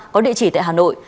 có địa chỉ tại hà nội